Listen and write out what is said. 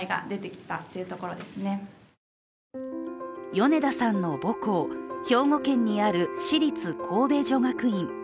米田さんの母校、兵庫県にある私立神戸女学院。